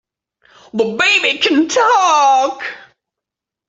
The baby can TALK!